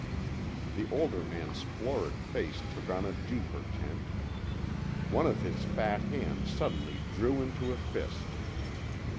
The older man's florid face took on a deeper tint. One of his fat hands suddenly drew into a fist.